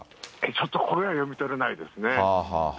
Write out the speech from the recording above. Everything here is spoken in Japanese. ちょっとこれでは読み取れないですね。